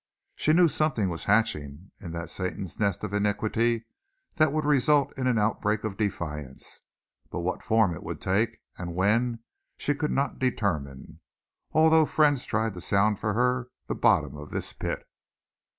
She knew something was hatching in that Satan's nest of iniquity that would result in an outbreak of defiance, but what form it would take, and when, she could not determine, although friends tried to sound for her the bottom of this pit.